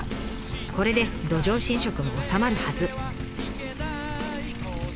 これで土壌浸食も収まるはず。